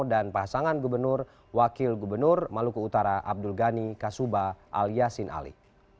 dan pasangan gubernur wakil gubernur maluku utara abdul gani kasuba aliasin ali